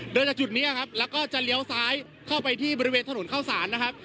จากจุดนี้ครับแล้วก็จะเลี้ยวซ้ายเข้าไปที่บริเวณถนนเข้าสารนะครับ